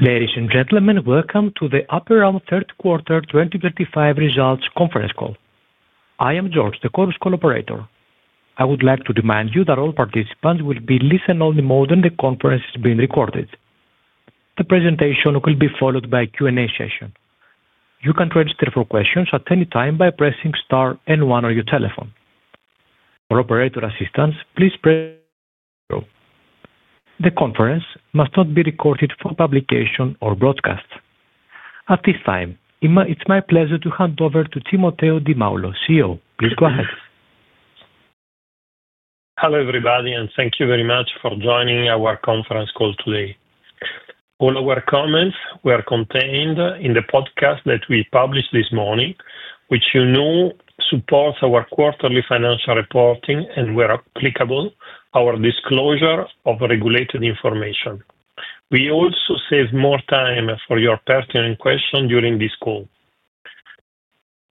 Ladies and gentlemen, welcome to the Aperam Q3 2025 results conference call. I am George, the Chorus Call operator. I would like to remind you that all participants will be listen-only while the conference is being recorded. The presentation will be followed by a Q&A session. You can register for questions at any time by pressing star and one on your telephone. For operator assistance, please press zero. The conference must not be recorded for publication or broadcast. At this time, it is my pleasure to hand over to Timoteo Di Maulo, CEO. Please go ahead. Hello everybody, and thank you very much for joining our conference call today. All our comments were contained in the podcast that we published this morning, which, you know, supports our quarterly financial reporting and, where applicable, our disclosure of regulated information. We also save more time for your pertinent questions during this call.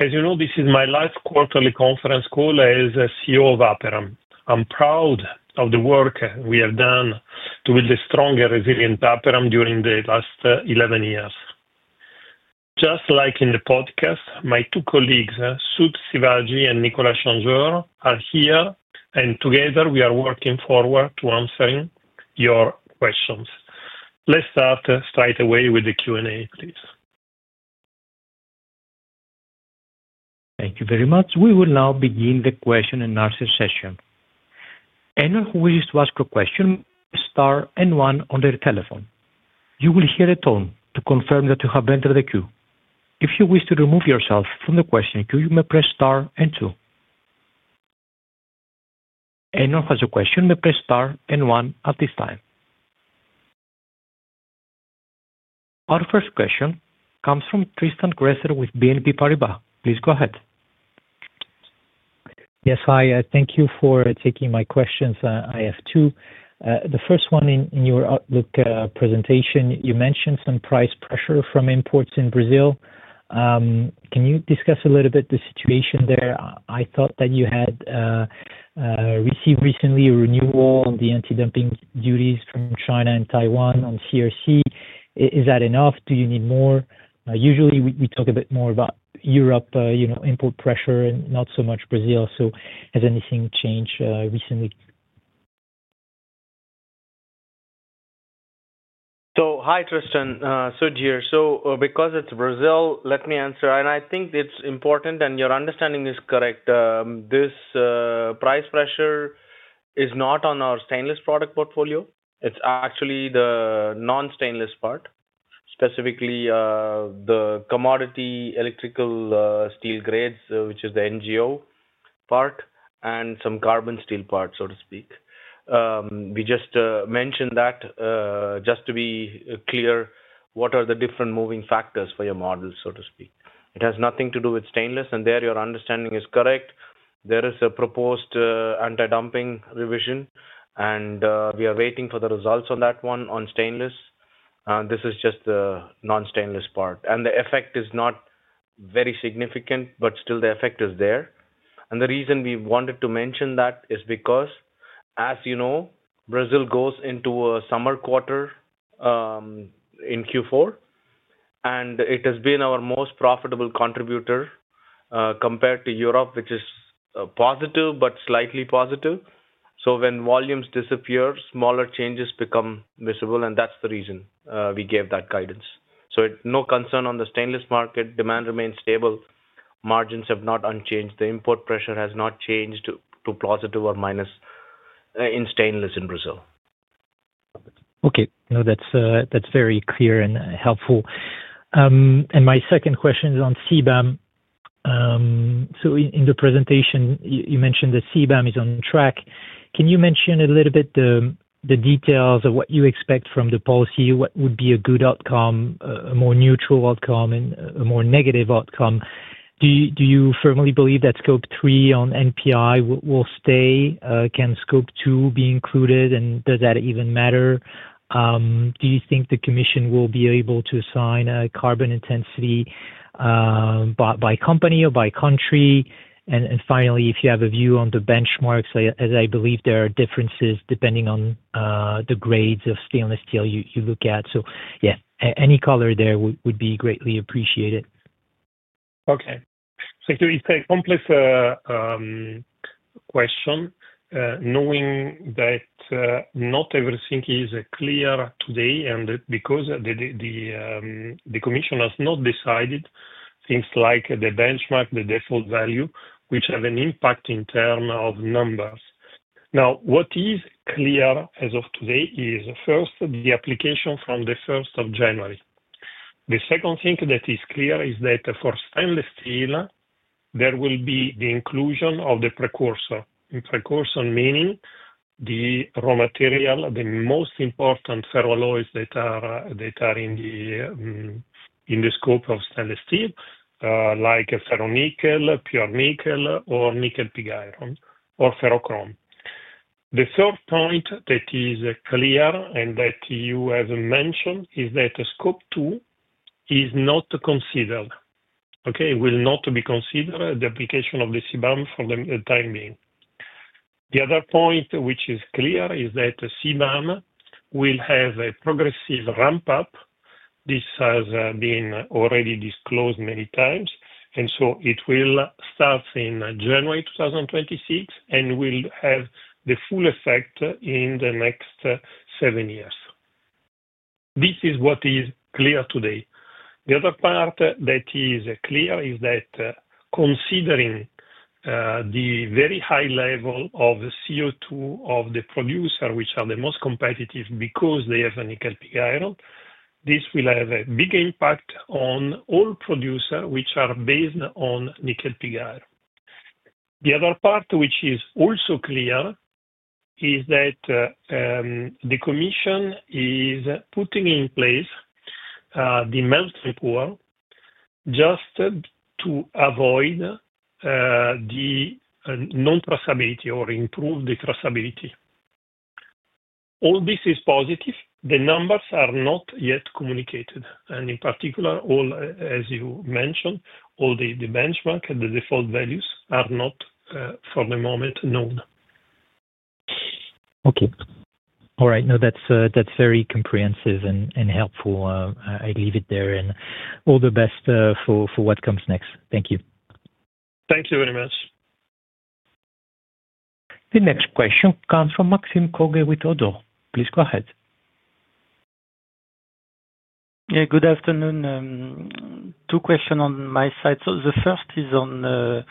As you know, this is my last quarterly conference call as CEO of Aperam. I'm proud of the work we have done to build a strong and resilient Aperam during the last 11 years. Just like in the podcast, my two colleagues, Sudhir Sivaji and Nicolas Changeur, are here, and together we are working forward to answering your questions. Let's start straight away with the Q&A, please. Thank you very much. We will now begin the question and answer session. Anyone who wishes to ask a question may press star and one on their telephone. You will hear a tone to confirm that you have entered the queue. If you wish to remove yourself from the question queue, you may press star and two. Anyone who has a question may press star and one at this time. Our first question comes from Tristan Gresser with BNP Paribas. Please go ahead. Yes, hi. Thank you for taking my questions. I have two. The first one, in your Outlook presentation, you mentioned some price pressure from imports in Brazil. Can you discuss a little bit the situation there? I thought that you had received recently a renewal on the anti-dumping duties from China and Taiwan on CRC. Is that enough? Do you need more? Usually, we talk a bit more about Europe import pressure and not so much Brazil. Has anything changed recently? Hi, Tristan. Sud here, because it's Brazil, let me answer, and I think it's important and your understanding is correct. This price pressure is not on our stainless product portfolio. It's actually the non-stainless part, specifically the commodity electrical steel grades, which is the NGO part, and some carbon steel part, so to speak. We just mentioned that just to be clear, what are the different moving factors for your models, so to speak? It has nothing to do with stainless, and there your understanding is correct. There is a proposed anti-dumping revision, and we are waiting for the results on that one on stainless. This is just the non-stainless part. The effect is not very significant, but still the effect is there. The reason we wanted to mention that is because, as you know, Brazil goes into a summer quarter in Q4, and it has been our most profitable contributor compared to Europe, which is positive but slightly positive. When volumes disappear, smaller changes become visible, and that is the reason we gave that guidance. No concern on the stainless market. Demand remains stable. Margins have not unchanged. The import pressure has not changed to positive or minus in stainless in Brazil. Okay. No, that's very clear and helpful. My second question is on CBAM. In the presentation, you mentioned that CBAM is on track. Can you mention a little bit the details of what you expect from the policy? What would be a good outcome, a more neutral outcome, and a more negative outcome? Do you firmly believe that Scope 3 on NPI will stay? Can Scope 2 be included? Does that even matter? Do you think the commission will be able to assign a carbon intensity by company or by country? Finally, if you have a view on the benchmarks, as I believe there are differences depending on the grades of stainless steel you look at. Any color there would be greatly appreciated. Okay. It's a complex question, knowing that not everything is clear today and because the commission has not decided things like the benchmark, the default value, which have an impact in terms of numbers. Now, what is clear as of today is, first, the application from the 1st of January. The second thing that is clear is that for stainless steel, there will be the inclusion of the precursor. Precursor meaning the raw material, the most important ferroalloys that are in the scope of stainless steel, like ferronickel, pure nickel, or nickel pig iron, or ferrochrome. The third point that is clear and that you have mentioned is that Scope 2 is not considered. Okay? It will not be considered, the application of the CBAM for the time being. The other point which is clear is that CBAM will have a progressive ramp-up. This has been already disclosed many times, and it will start in January 2026 and will have the full effect in the next seven years. This is what is clear today. The other part that is clear is that considering the very high level of CO2 of the producer, which are the most competitive because they have a nickel pig iron, this will have a big impact on all producers which are based on nickel pig iron. The other part which is also clear is that the commission is putting in place the melting pool just to avoid the non-traceability or improve the traceability. All this is positive. The numbers are not yet communicated. In particular, as you mentioned, all the benchmark and the default values are not, for the moment, known. Okay. All right. No, that's very comprehensive and helpful. I'll leave it there. All the best for what comes next. Thank you. Thank you very much. The next question comes from Maxim Kogge with ODDO. Please go ahead. Yeah, good afternoon. Two questions on my side. The first is on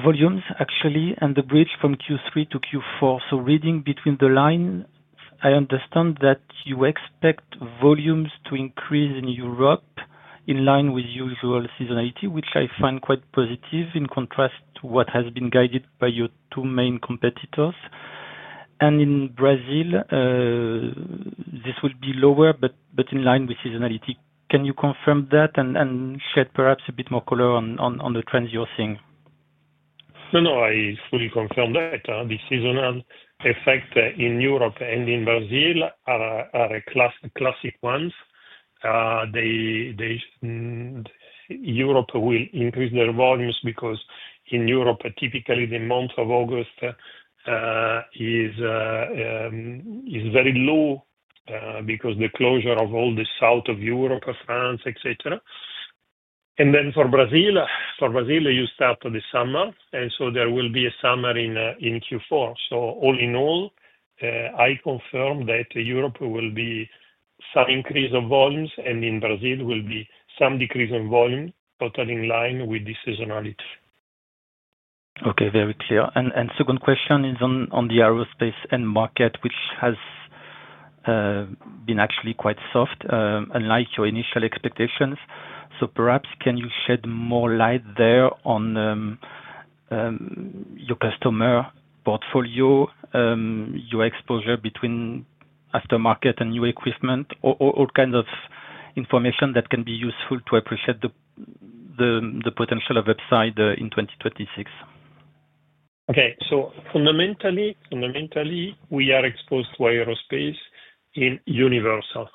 volumes, actually, and the bridge from Q3 to Q4. Reading between the lines, I understand that you expect volumes to increase in Europe in line with usual seasonality, which I find quite positive in contrast to what has been guided by your two main competitors. In Brazil, this will be lower, but in line with seasonality. Can you confirm that and shed perhaps a bit more color on the trends you're seeing? No, no, I fully confirm that. The seasonal effect in Europe and in Brazil are classic ones. Europe will increase their volumes because in Europe, typically, the month of August is very low because of the closure of all the south of Europe, France, etc. For Brazil, you start the summer, and there will be a summer in Q4. All in all, I confirm that Europe will be some increase of volumes, and in Brazil, will be some decrease in volumes, totally in line with the seasonality. Okay, very clear. Second question is on the aerospace end market, which has been actually quite soft, unlike your initial expectations. Perhaps can you shed more light there on your customer portfolio, your exposure between aftermarket and new equipment, all kinds of information that can be useful to appreciate the potential of upside in 2026? Okay. Fundamentally, we are exposed to aerospace in Universal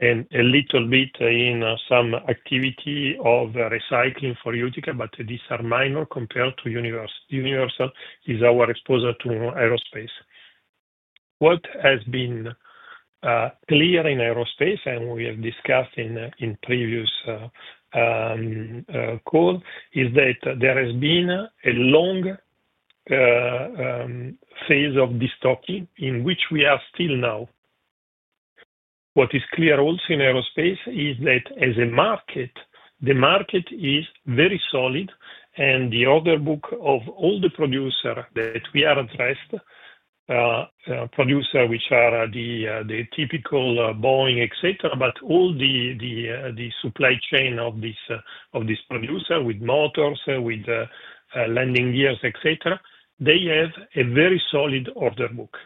and a little bit in some activity of recycling for Eutica, but these are minor compared to Universal. Universal is our exposure to aerospace. What has been clear in aerospace, and we have discussed in previous call, is that there has been a long phase of dystopia in which we are still now. What is clear also in aerospace is that as a market, the market is very solid, and the order book of all the producers that we are addressed, producers which are the typical Boeing, etc., but all the supply chain of this producer with motors, with landing gears, etc., they have a very solid order book.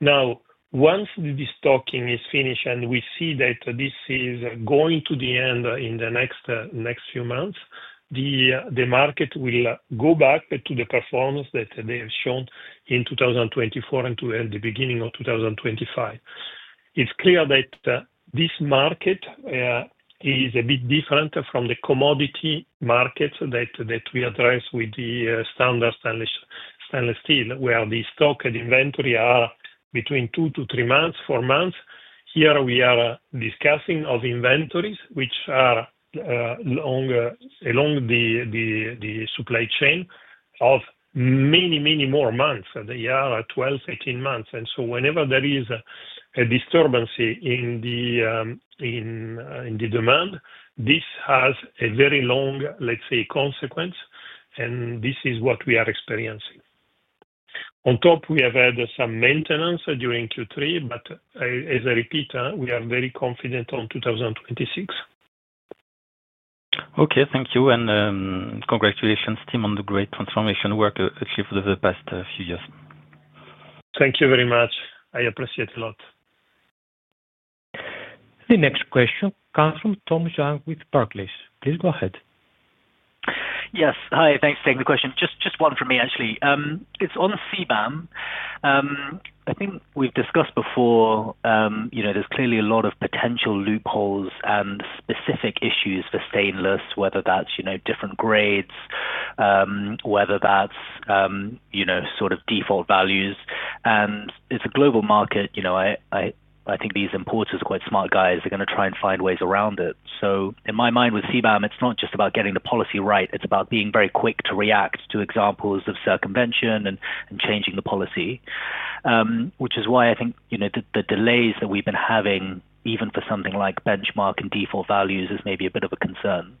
Now, once the dystopia is finished and we see that this is going to the end in the next few months, the market will go back to the performance that they have shown in 2024 and to the beginning of 2025. It is clear that this market is a bit different from the commodity markets that we address with the standard stainless steel, where the stock and inventory are between two to three months, four months. Here we are discussing inventories which are along the supply chain of many, many more months. They are 12, 18 months. Whenever there is a disturbance in the demand, this has a very long, let's say, consequence, and this is what we are experiencing. On top, we have had some maintenance during Q3, but as I repeat, we are very confident on 2026. Okay, thank you. Congratulations, Tim, on the great transformation work achieved over the past few years. Thank you very much. I appreciate it a lot. The next question comes from Tom Zhang with Barclays. Please go ahead. Yes. Hi, thanks for taking the question. Just one from me, actually. It's on CBAM. I think we've discussed before, there's clearly a lot of potential loopholes and specific issues for stainless, whether that's different grades, whether that's sort of default values. And it's a global market. I think these importers are quite smart guys. They're going to try and find ways around it. In my mind, with CBAM, it's not just about getting the policy right. It's about being very quick to react to examples of circumvention and changing the policy, which is why I think the delays that we've been having, even for something like benchmark and default values, is maybe a bit of a concern.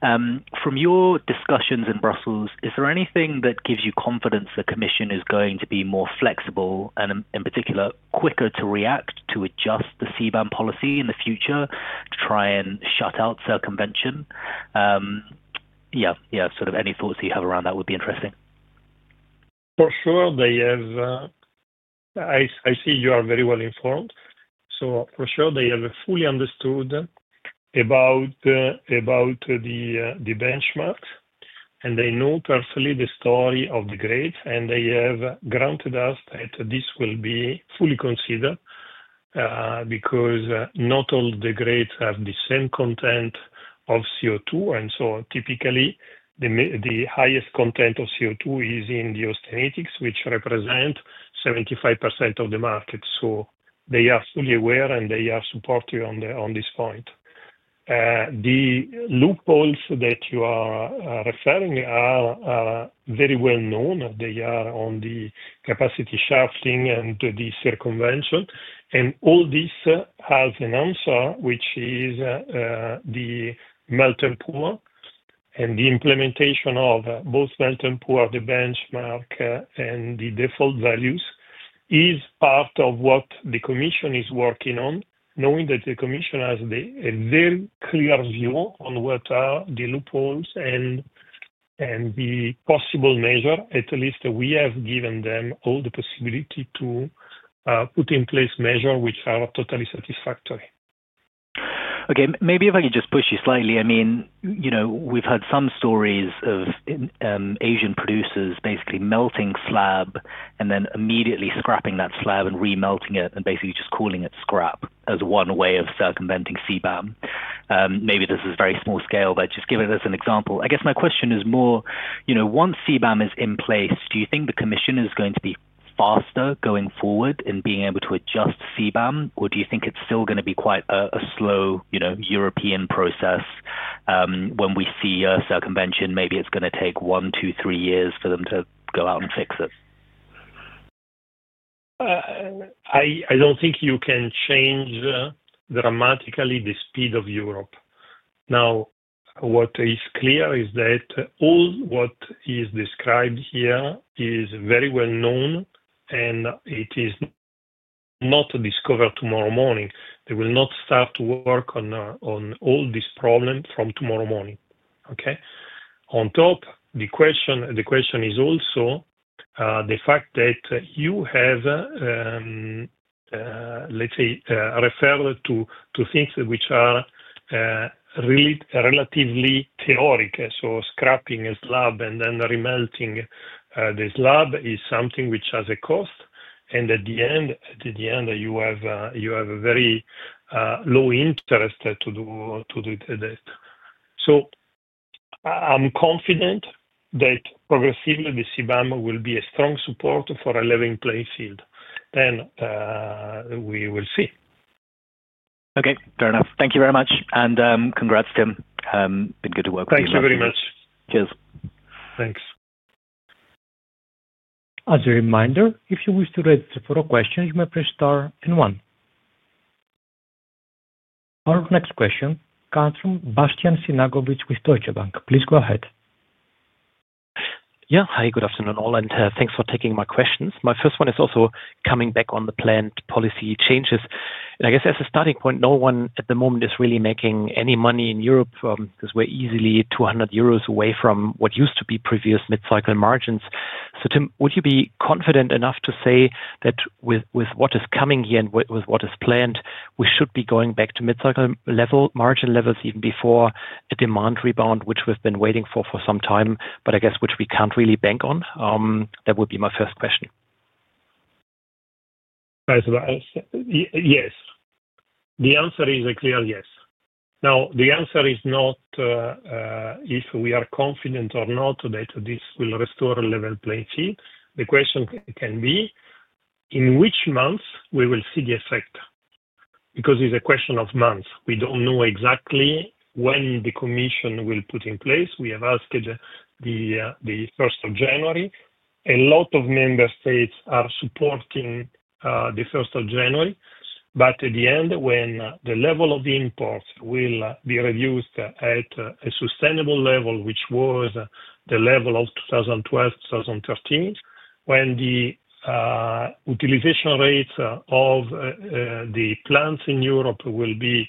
From your discussions in Brussels, is there anything that gives you confidence the commission is going to be more flexible and, in particular, quicker to react to adjust the CBAM policy in the future to try and shut out circumvention? Yeah, yeah, sort of any thoughts you have around that would be interesting. For sure, they have. I see you are very well informed. For sure, they have fully understood about the benchmarks, and they know personally the story of the grades, and they have granted us that this will be fully considered because not all the grades have the same content of CO2. Typically, the highest content of CO2 is in the austenitics, which represent 75% of the market. They are fully aware and they are supportive on this point. The loopholes that you are referring are very well known. They are on the capacity shifting and the circumvention. All this has an answer, which is the melting pool. The implementation of both melting pool, the benchmark, and the default values is part of what the commission is working on, knowing that the commission has a very clear view on what are the loopholes and the possible measure. At least we have given them all the possibility to put in place measures which are totally satisfactory. Okay. Maybe if I could just push you slightly. I mean, we've had some stories of Asian producers basically melting slab and then immediately scrapping that slab and remelting it and basically just calling it scrap as one way of circumventing CBAM. Maybe this is very small scale, but just giving us an example. I guess my question is more, once CBAM is in place, do you think the commission is going to be faster going forward in being able to adjust CBAM, or do you think it's still going to be quite a slow European process? When we see a circumvention, maybe it's going to take one, two, three years for them to go out and fix it. I don't think you can change dramatically the speed of Europe. Now, what is clear is that all what is described here is very well known, and it is not discovered tomorrow morning. They will not start to work on all these problems from tomorrow morning. Okay? On top, the question is also the fact that you have, let's say, referred to things which are relatively theoretical. So scrapping a slab and then remelting the slab is something which has a cost. And at the end, you have a very low interest to do that. I am confident that progressively, the CBAM will be a strong support for a living playing field. Then we will see. Okay. Fair enough. Thank you very much. And congrats, Tim. It's been good to work with you. Thank you very much. Cheers. Thanks. As a reminder, if you wish to register for a question, you may press star and one. Our next question comes from Bastian Synagowitz with Deutsche Bank. Please go ahead. Yeah. Hi, good afternoon all, and thanks for taking my questions. My first one is also coming back on the planned policy changes. I guess as a starting point, no one at the moment is really making any money in Europe because we're easily 200 euros away from what used to be previous mid-cycle margins. Tim, would you be confident enough to say that with what is coming here and with what is planned, we should be going back to mid-cycle margin levels even before a demand rebound, which we've been waiting for for some time, but I guess which we can't really bank on? That would be my first question. Yes. The answer is a clear yes. Now, the answer is not if we are confident or not that this will restore a level playing field. The question can be in which months we will see the effect because it's a question of months. We don't know exactly when the commission will put in place. We have asked the 1st of January. A lot of member states are supporting the 1st of January, but at the end, when the level of imports will be reduced at a sustainable level, which was the level of 2012, 2013, when the utilization rates of the plants in Europe will be,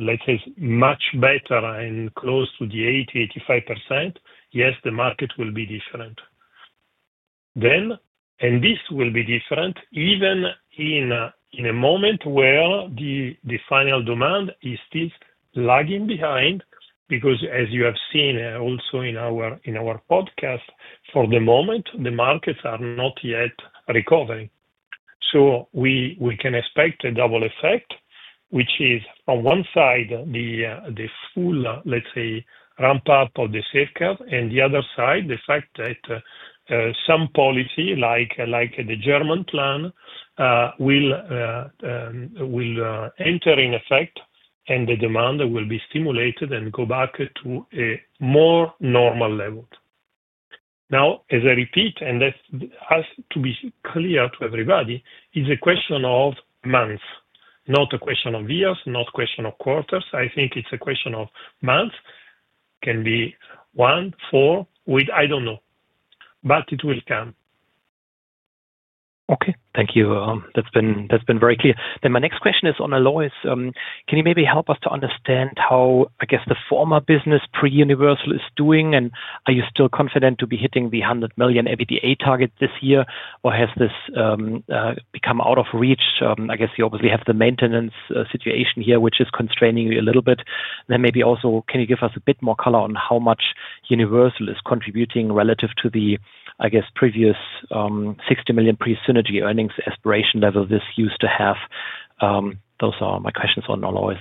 let's say, much better and close to the 80%-85%, yes, the market will be different. This will be different even in a moment where the final demand is still lagging behind because, as you have seen also in our podcast, for the moment, the markets are not yet recovering. We can expect a double effect, which is, on one side, the full, let's say, ramp-up of the safeguard, and on the other side, the fact that some policy like the German plan will enter in effect, and the demand will be stimulated and go back to a more normal level. Now, as I repeat, and that has to be clear to everybody, it is a question of months, not a question of years, not a question of quarters. I think it is a question of months. Can be one, four, I do not know, but it will come. Okay. Thank you. That's been very clear. My next question is on Alloys. Can you maybe help us to understand how, I guess, the former business pre-Universal is doing, and are you still confident to be hitting the 100 million EBITDA target this year, or has this become out of reach? I guess you obviously have the maintenance situation here, which is constraining you a little bit. Maybe also, can you give us a bit more color on how much Universal is contributing relative to the, I guess, previous 60 million pre-synergy earnings aspiration level this used to have? Those are my questions on Alloys.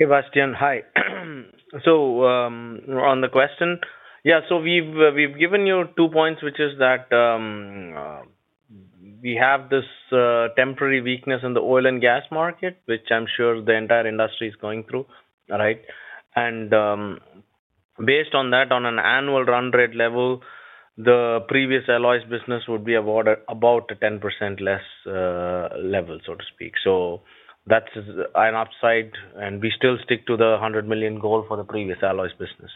Okay, Bastian. Hi. On the question, yeah, we've given you two points, which is that we have this temporary weakness in the oil and gas market, which I'm sure the entire industry is going through, right? Based on that, on an annual run rate level, the previous Alloys business would be about a 10% less level, so to speak. That's an upside, and we still stick to the 100 million goal for the previous Alloys business.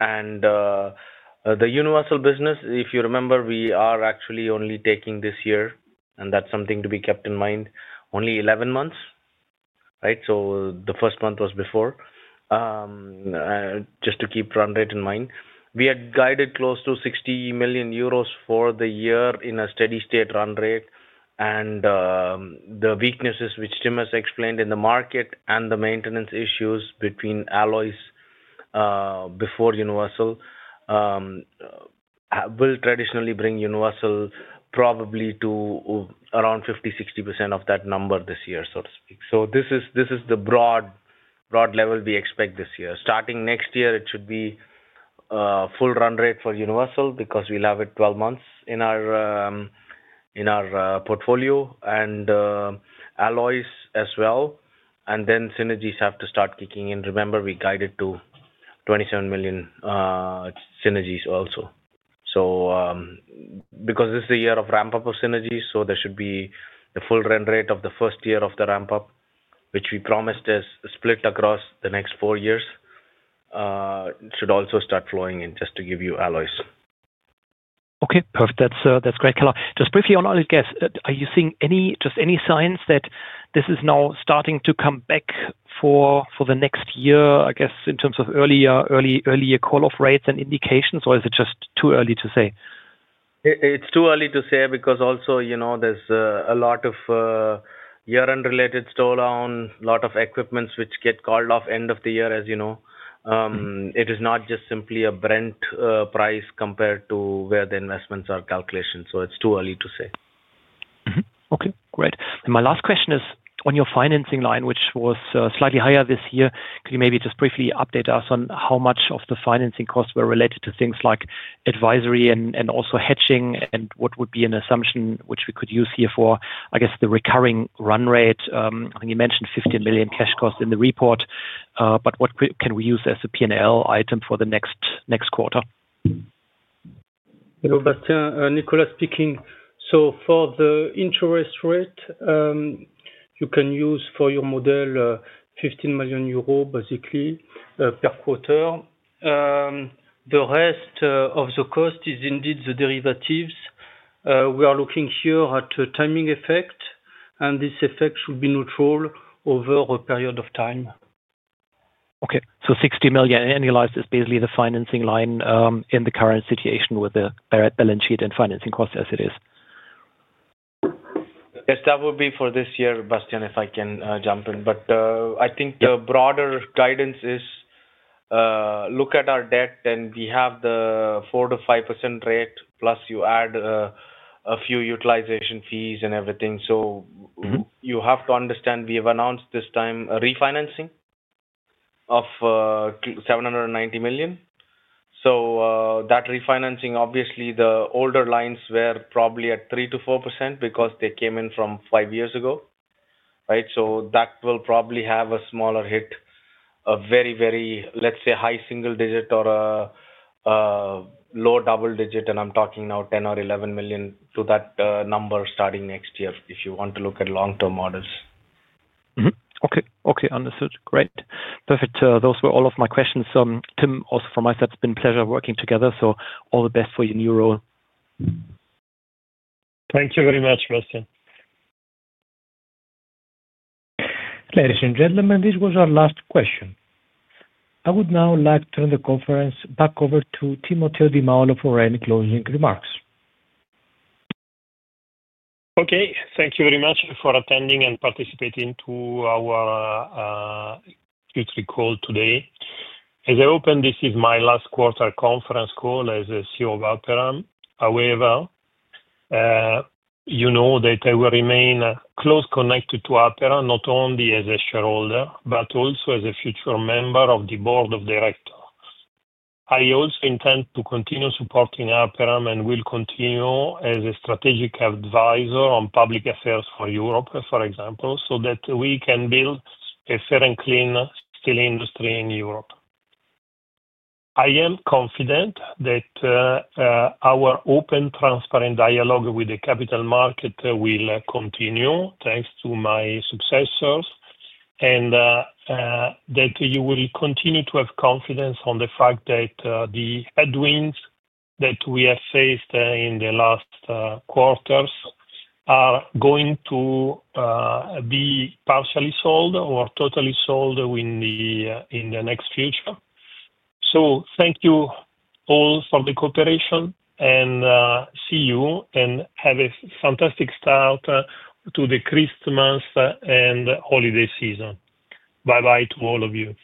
The universal business, if you remember, we are actually only taking this year, and that's something to be kept in mind, only 11 months, right? The first month was before, just to keep run rate in mind. We had guided close to 60 million euros for the year in a steady-state run rate, and the weaknesses, which Tim has explained in the market and the maintenance issues between Alloys before Universal will traditionally bring Universal probably to around 50%-60% of that number this year, so to speak. This is the broad level we expect this year. Starting next year, it should be full run rate for Universal because we will have it 12 months in our portfolio and Alloys as well. Synergies have to start kicking in. Remember, we guided to 27 million synergies also. This is a year of ramp-up of synergies, so there should be the full run rate of the first year of the ramp-up, which we promised is split across the next four years, should also start flowing in just to give you Alloys. Okay. Perfect. That's great color. Just briefly, on Alloys, are you seeing just any signs that this is now starting to come back for the next year, I guess, in terms of earlier call-off rates and indications, or is it just too early to say? It's too early to say because also there's a lot of year-end-related stall-on, a lot of equipment which get called off end of the year, as you know. It is not just simply a Brent price compared to where the investments are calculated. So it's too early to say. Okay. Great. My last question is on your financing line, which was slightly higher this year. Could you maybe just briefly update us on how much of the financing costs were related to things like advisory and also hedging, and what would be an assumption which we could use here for, I guess, the recurring run rate? I think you mentioned 15 million cash costs in the report, but what can we use as a P&L item for the next quarter? Hello, Bastian. Nicolas speaking. For the interest rate, you can use for your model 15 million euros basically per quarter. The rest of the cost is indeed the derivatives. We are looking here at a timing effect, and this effect should be neutral over a period of time. Okay. So 60 million annualized is basically the financing line in the current situation with the balance sheet and financing costs as it is. Yes, that would be for this year, Bastian, if I can jump in. I think the broader guidance is look at our debt, and we have the 4%-5% rate, plus you add a few utilization fees and everything. You have to understand we have announced this time a refinancing of 790 million. That refinancing, obviously, the older lines were probably at 3%-4% because they came in from five years ago, right? That will probably have a smaller hit, a very, very, let's say, high single digit or a low double digit, and I'm talking now 10 million or 11 million to that number starting next year if you want to look at long-term models. Okay. Okay. Understood. Great. Perfect. Those were all of my questions. Tim, also from my side, it's been a pleasure working together. All the best for you in your role. Thank you very much, Bastian. Ladies and gentlemen, this was our last question. I would now like to turn the conference back over to Timoteo Di Maulo for any closing remarks. Okay. Thank you very much for attending and participating to our Q3 call today. As I open, this is my last quarter conference call as CEO of Aperam. However, you know that I will remain closely connected to Aperam not only as a shareholder, but also as a future member of the board of directors. I also intend to continue supporting Aperam and will continue as a strategic advisor on public affairs for Europe, for example, so that we can build a fair and clean steel industry in Europe. I am confident that our open, transparent dialogue with the capital market will continue thanks to my successors and that you will continue to have confidence on the fact that the headwinds that we have faced in the last quarters are going to be partially solved or totally solved in the next future. Thank you all for the cooperation, and see you and have a fantastic start to the Christmas and holiday season. Bye-bye to all of you.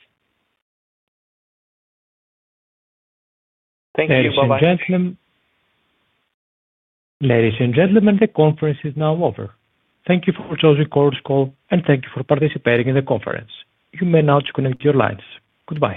Thank you. Bye-bye. Ladies and gentlemen, the conference is now over. Thank you for joining the call, and thank you for participating in the conference. You may now disconnect your lines. Goodbye.